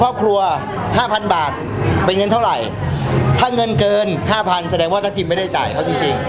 ๑๕๐ครอบครัว๕๐๐๐บาทเป็นเงินเท่าไหร่ถ้าเงินเกิน๕๐๐๐แสดงว่าท่านทีมไม่ได้จ่ายเพราะจริง